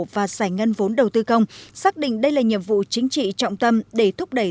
và giải ngân vốn đầu tư công xác định đây là nhiệm vụ chính trị trọng tâm để thúc đẩy